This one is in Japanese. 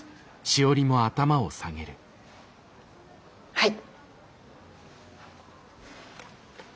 はい。